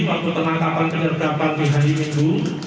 waktu penangkapan penyertapan di hari minggu